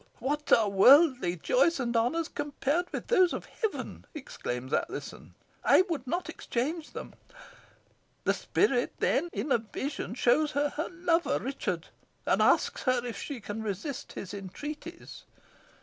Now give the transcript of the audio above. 'What are worldly joys and honours compared with those of heaven!' exclaims Alizon; 'I would not exchange them.' The spirit then, in a vision, shows her her lover, Richard, and asks her if she can resist his entreaties.